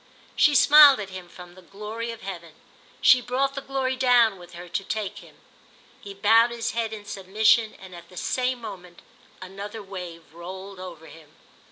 She smiled at him from the glory of heaven—she brought the glory down with her to take him. He bowed his head in submission and at the same moment another wave rolled over him.